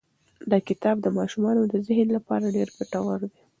دا کتاب د ماشومانو د ذهن لپاره ډېر ګټور دی.